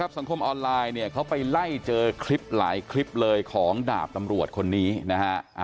สังคมออนไลน์เนี่ยเขาไปไล่เจอคลิปหลายคลิปเลยของดาบตำรวจคนนี้นะฮะ